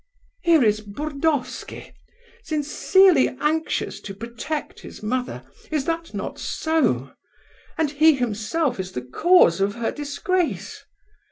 "Here is Burdovsky, sincerely anxious to protect his mother; is not that so? And he himself is the cause of her disgrace.